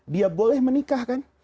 dia boleh menikah kan